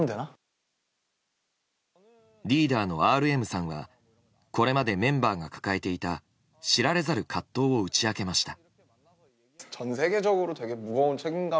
リーダーのＲＭさんはこれまでメンバーが抱えていた知られざる葛藤を打ち明けました。